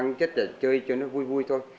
cháu chết là chơi cho nó vui vui thôi